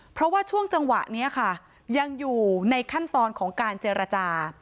เพราะว่าช่วงจังหวะนี้ค่ะยังอยู่ในขั้นตอนของการเจรจา